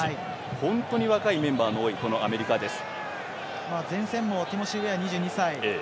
本当に若いメンバーの多いアメリカです。